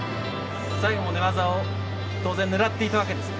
最後は寝技を当然、狙っていたわけですね。